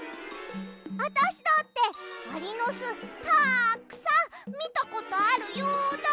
あたしだってアリのすたくさんみたことあるよだ！